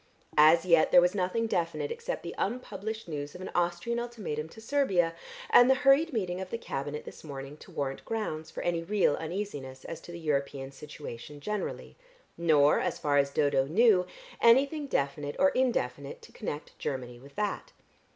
As yet there was nothing definite except the unpublished news of an Austrian ultimatum to Servia, and the hurried meeting of the Cabinet this morning to warrant grounds for any real uneasiness as to the European situation generally, nor, as far as Dodo knew, anything definite or indefinite to connect Germany with that.